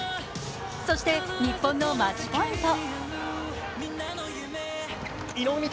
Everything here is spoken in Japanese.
そして日本のマッチポイント。